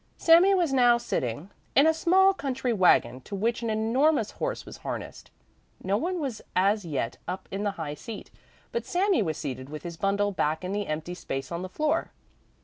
Sami was now sitting in a small country wagon to which an enormous horse was harnessed. No one was as yet up in the high seat, but Sami was seated with his bundle back in the empty space on the floor.